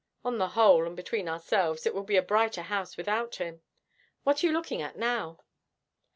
On the whole, and between ourselves, it will be a brighter house without him. What are you looking at now?'